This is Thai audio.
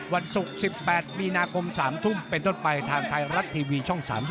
วันศุกร์๑๘มีนาคม๓ทุ่มเป็นต้นไปทางไทยรัฐทีวีช่อง๓๒